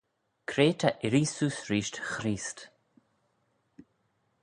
Cre ta irree seose reesht Chreest?